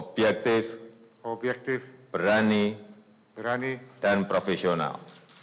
seksama objektif berani dan profesional